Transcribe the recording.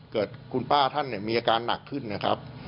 เกิดคุณป้าท่านเนี่ยมีอาการหนักขึ้นนะครับ